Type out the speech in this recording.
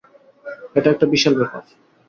এটা একটা বিশাল ব্যাপার।